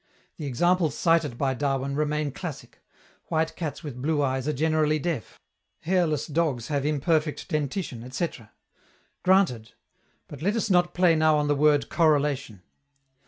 The examples cited by Darwin remain classic: white cats with blue eyes are generally deaf; hairless dogs have imperfect dentition, etc. Granted; but let us not play now on the word "correlation."